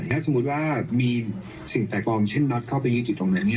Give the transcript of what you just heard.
ถ้าสมมุติว่ามีสิ่งแปลกปลอมเช่นน็อตเข้าไปยึดอยู่ตรงนั้น